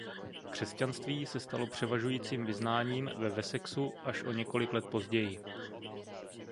Křesťanství se stalo převažujícím vyznáním ve Wessexu až o několik let později.